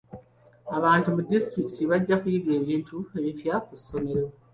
Abantu mu disitulikiti bajja kuyiga ebintu ebipya ku ssomero.